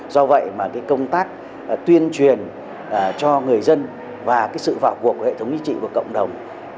do vậy mà công tác tuyên truyền cho người dân và sự vào cuộc của hệ thống chính trị của cộng đồng